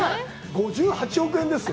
５８億円ですよ。